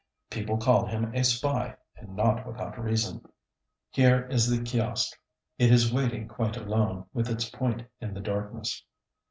People call him a spy, and not without reason. Here is the Kiosk. It is waiting quite alone, with its point in the darkness.